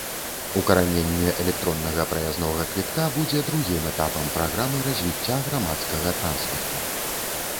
Укараненне электроннага праязнога квітка будзе другім этапам праграмы развіцця грамадскага транспарту.